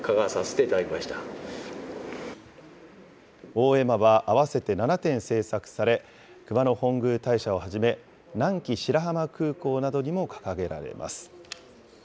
大絵馬は合わせて７点制作され、熊野本宮大社をはじめ、南紀白浜空港などにも掲げられます。